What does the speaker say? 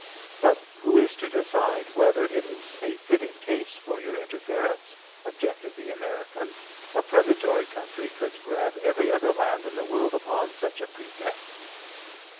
"But who is to decide whether it is a fitting case for your interference?" objected the American. "A predatory country could grab every other land in the world upon such a pretext."